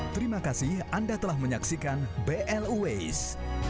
terima kasih anda telah menyaksikan blu ways